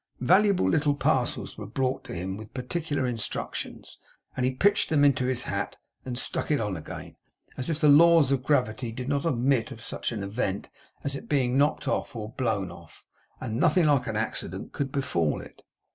Valuable little parcels were brought to him with particular instructions, and he pitched them into this hat, and stuck it on again; as if the laws of gravity did not admit of such an event as its being knocked off or blown off, and nothing like an accident could befall it.